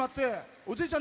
おじいちゃん！